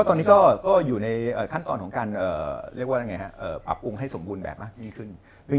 ตอนนี้ก็อยู่ในขั้นตอนของการเรียกว่าปรับปรุงให้สมบูรณ์แบบมากยิ่งขึ้น